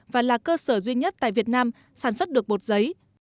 và là cơ sở duy nhất tại việt nam sản xuất được bột giấy